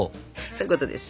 そういうことです。